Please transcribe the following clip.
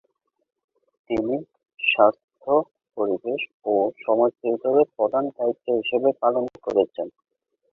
তিনি স্বাস্থ্য, পরিবেশ ও সমাজ বিভাগের প্রধান হিসেবে দায়িত্ব পালন করেছেন।